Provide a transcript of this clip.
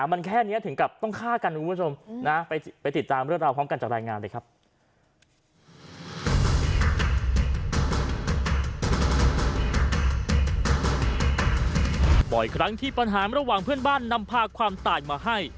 มอบแก้มห่ามระหว่างเพื่อนบ้านนัมพ่าความตายมาให้